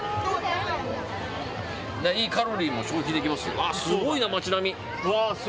いいカロリーも消費できますよ。